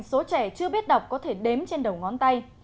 số trẻ chưa biết đọc có thể đếm trên đầu ngón tay